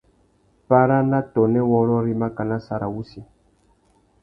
Para na tônê wôrrôri makana sarawussi.